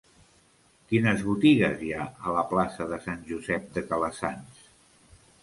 Quines botigues hi ha a la plaça de Sant Josep de Calassanç?